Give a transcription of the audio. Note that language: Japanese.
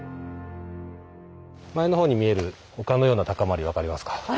前の方に見える丘のような高まり分かりますか？